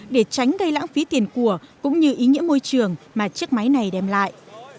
để tránh gây lãng phí tiền của cũng như ý nghĩa môi trường mà chiếc máy này đem lại